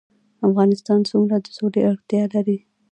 افغانستان څومره د سولې اړتیا لري؟